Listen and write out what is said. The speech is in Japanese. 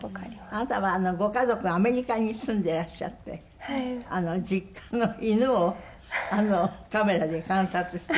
あなたはご家族がアメリカに住んでらっしゃって実家の犬をカメラで観察してるんですって？